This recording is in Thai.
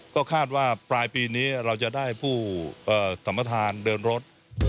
ก็คาดว่าปลายปีนี้เราจะได้ผู้สัมประธานเดินรถ